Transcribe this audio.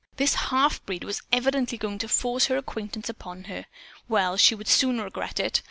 This halfbreed was evidently going to force her acquaintance upon her. Well, she would soon regret it.